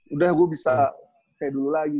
udah gue bisa kayak dulu lagi